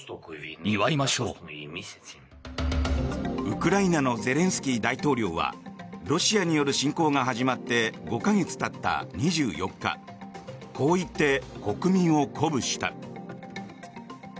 ウクライナのゼレンスキー大統領はロシアによる侵攻が始まって５か月たった２４日こう言って、国民を鼓舞した。